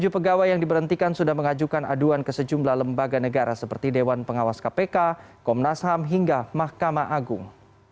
tujuh pegawai yang diberhentikan sudah mengajukan aduan ke sejumlah lembaga negara seperti dewan pengawas kpk komnas ham hingga mahkamah agung